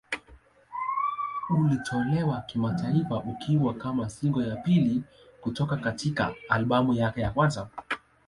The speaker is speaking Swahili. Ulitolewa kimataifa ukiwa kama single ya pili kutoka katika albamu yake ya kwanza.